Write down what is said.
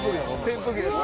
扇風機です。